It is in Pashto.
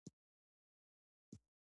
په جګړه کې ګټل کېږي،